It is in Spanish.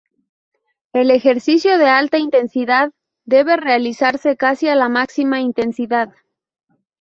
El ejercicio de alta intensidad debe realizarse casi a la máxima intensidad.